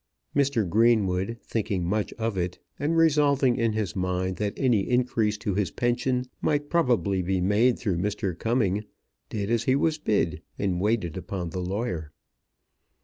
Mr. Greenwood thinking much of it, and resolving in his mind that any increase to his pension might probably be made through Mr. Cumming, did as he was bid, and waited upon the lawyer.